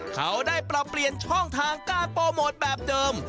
เขาได้ปรับเปลี่ยนช่องทางการโปรโมทแบบเดิม